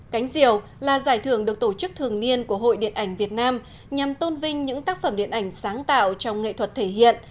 cánh diều là giải thưởng được tổ chức thường niên của hội điện ảnh việt nam nhằm tôn vinh những tác phẩm điện ảnh sáng tạo trong nghệ thuật thể hiện